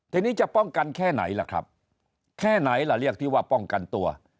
ทีนี้จะป้องกันแค่ไหนล่ะครับแค่ไหนล่ะเรียกที่ว่าป้องกันตัว